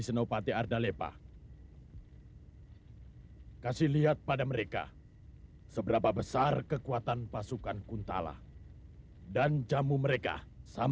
semoga berhasil fibers fast dog yang sekarang kecasam